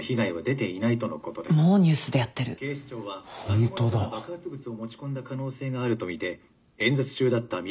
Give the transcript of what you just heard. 何者かが爆発物を持ち込んだ可能性があるとみて演説中だった未来